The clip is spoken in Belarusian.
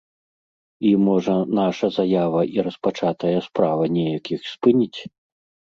І, можа, наша заява і распачатая справа неяк іх спыніць.